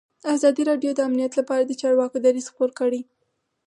ازادي راډیو د امنیت لپاره د چارواکو دریځ خپور کړی.